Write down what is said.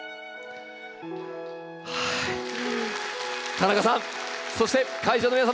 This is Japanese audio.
田中さんそして会場の皆様